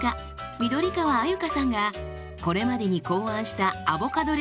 緑川鮎香さんがこれまでに考案したアボカドレシピ